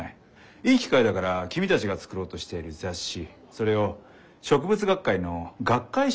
いい機会だから君たちが作ろうとしている雑誌それを植物学会の学会誌とすればいいだろう。